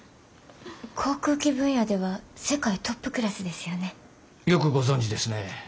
航空機分野では世界トップクラスですよね。よくご存じですね。